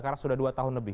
karena sudah dua tahun lebih